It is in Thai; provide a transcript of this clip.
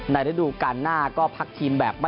ในฤดูการหน้าก็พักทีมแบบไม่อีกขนตรง